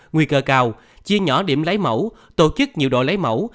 nguy cơ cao chia nhỏ điểm lấy mẫu tổ chức nhiều đội lấy mẫu